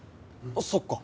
そっか。